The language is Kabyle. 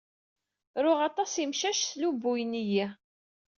Riɣ aṭas imcac. Sslubuyen-iyi.